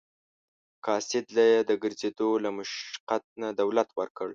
قاصد له یې د ګرځېدو له مشقت نه دولت ورکړ.